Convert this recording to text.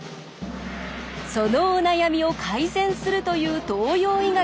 そのお悩みを改善するという東洋医学